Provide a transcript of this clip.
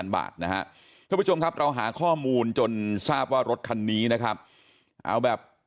บาทนะครับเราหาข้อมูลจนทราบว่ารถคันนี้นะครับเอาแบบ